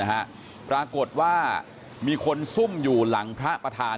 ที่พระจะสวดนะฮะปรากฏว่ามีคนซุ่มอยู่หลังพระประธาน